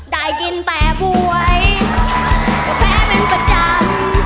ได้กินแต่บ๊วยก็แพ้เป็นประจำ